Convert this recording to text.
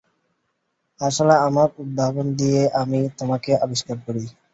আসলে, আমার উদ্ভাবন দিয়েই আমি তোমাকে আবিষ্কার করি।